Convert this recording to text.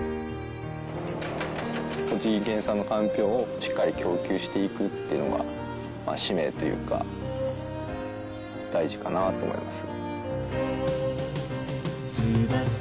栃木県産のかんぴょうをしっかり供給していくっていうのが使命というか大事かなと思います。